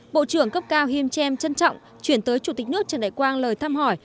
bộ trưởng cấp cao him chem trân trọng chuyển tới chủ tịch nước trần đại quang lời thăm hỏi